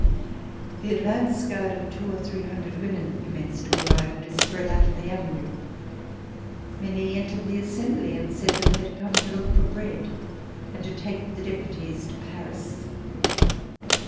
The advance guard of two or three hundred women commenced to arrive and to spread out in the Avenue. Many entered the Assembly and said that they had come to look for bread and to take the Deputies to Paris.